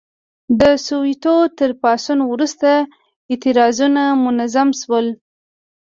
د سووېتو تر پاڅون وروسته اعتراضونه منظم شول.